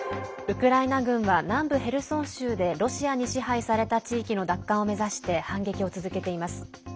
ウクライナ軍は南部ヘルソン州でロシアに支配された地域の奪還を目指して反撃を続けています。